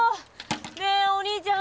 ねえお兄ちゃん